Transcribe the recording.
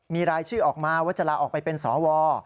มีรายชื่อออกมาว่าจะลาออกไปเป็นสว